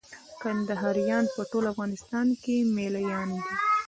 کندهاريان په ټول افغانستان کښي مېله يان دي.